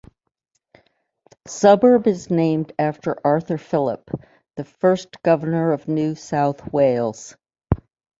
The suburb is named after Arthur Phillip, the first Governor of New South Wales.